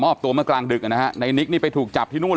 ตัวเมื่อกลางดึกนะฮะในนิกนี่ไปถูกจับที่นู่น